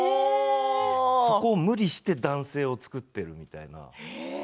そこを無理して男性を作っているみたいな。